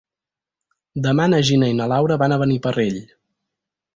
Demà na Gina i na Laura van a Beniparrell.